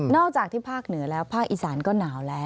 อกจากที่ภาคเหนือแล้วภาคอีสานก็หนาวแล้ว